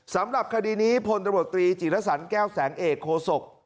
สำหรับคดีนี้ผลตระบบตรีจิตสรรแก้วแสงเอกโคศก